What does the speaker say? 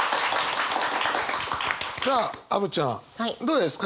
さあアヴちゃんどうですか？